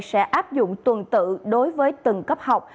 sẽ áp dụng tuần tự đối với từng cấp học